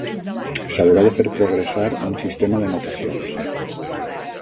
S'haurà de fer progressar un sistema de notacions.